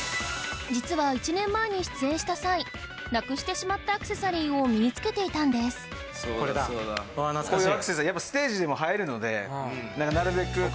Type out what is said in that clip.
実は１年前に出演した際失くしてしまったアクセサリーを身に着けていたんですこういうアクセサリーやっぱ。